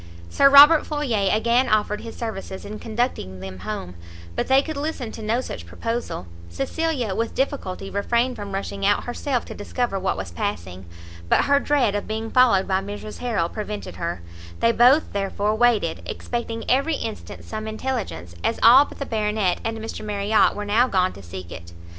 Sir Robert Floyer again offered his services in conducting them home; but they could listen to no such proposal; Cecilia, with difficulty refrained from rushing out herself to discover what was passing; but her dread of being followed by Mrs Harrel prevented her; they both, therefore, waited, expecting every instant some intelligence, as all but the Baronet and Mr Marriot were now gone to seek it.